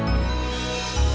terima kasih tante